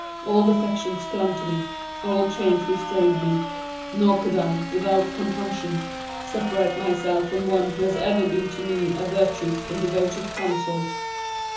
Old affections clung to me old chains restrained me nor could I, without compunction, separate myself from one who has ever been to me a virtuous and devoted consort."